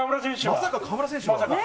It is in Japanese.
まさか河村選手が。